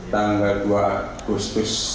tanggal dua agustus